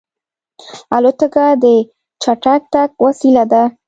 الوتکه د چټک تګ وسیله ده.